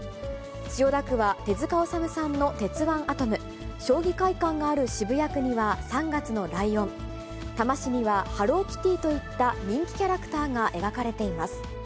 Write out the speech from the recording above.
千代田区は手塚治虫さんの鉄腕アトム、将棋会館がある渋谷区には３月のライオン、多摩市にはハローキティといった人気キャラクターが描かれています。